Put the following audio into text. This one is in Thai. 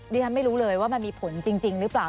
ฉันไม่รู้เลยว่ามันมีผลจริงหรือเปล่า